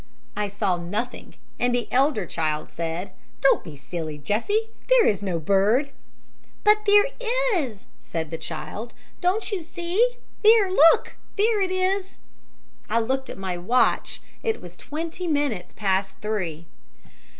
"I saw nothing, and the elder child said, 'Don't be silly, Jessie; there is no bird.' "'But there is,' said the child. 'Don't you see? There, look! There it is!' "I looked at my watch. It was twenty minutes past three.